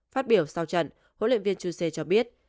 phát biểu sau trận huấn luyện viên chuse cho biết